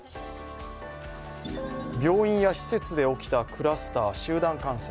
病院や施設で起きたクラスター、集団感染。